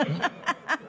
アハハハ！